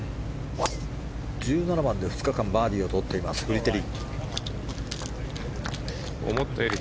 １７番で２日間バーディーをとっているフリテリ。